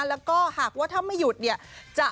แล้วก็หากว่าถ้าไม่หยุดเนี่ย